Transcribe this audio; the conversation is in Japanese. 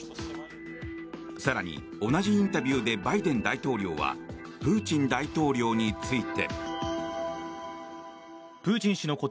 更に、同じインタビューでバイデン大統領はプーチン大統領について。